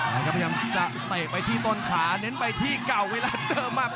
แล้วก็พยายามจะเตะไปที่ต้นขาเน้นไปที่เก่าเวลาเติมมา